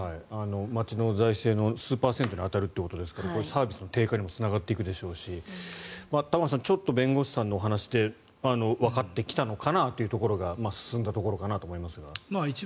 町の財政の数パーセントに当たるということですからサービスの低下にもつながっていくでしょうし玉川さん弁護士さんの話でわかってきたのかなというところが進んだところかなと思いますが。